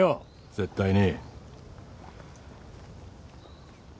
絶対に。